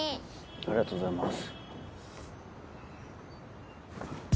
ありがとうございます。